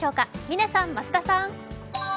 嶺さん、増田さん！